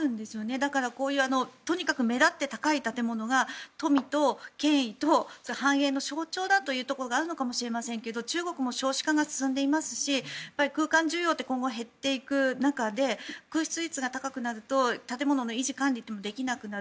だからこういうとにかく目立って高い建物が富と権威と繁栄の象徴だというところがあるのかもしれませんけど中国も少子化が進んでいますし空間需要って今後減っていく中で空室率が高くなると建物の維持管理もできなくなる。